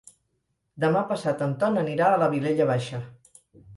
Demà passat en Ton anirà a la Vilella Baixa.